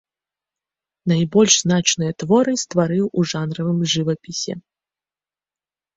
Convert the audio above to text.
Найбольш значныя творы стварыў у жанравым жывапісе.